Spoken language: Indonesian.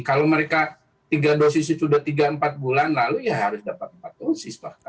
kalau mereka tiga dosis itu sudah tiga empat bulan lalu ya harus dapat empat dosis